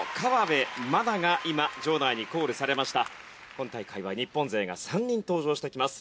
今大会は日本勢が３人登場してきます。